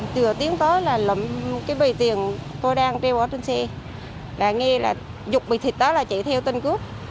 với tiền tôi đang treo ở trên xe đã nghe là dục bịt thịt đó là chạy theo tên cướp